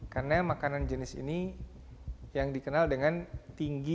karena makanan jenis ini yang dikenal dengan tinggi